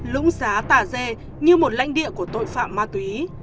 lũng xá tà dê như một lãnh địa của tội phạm ma túy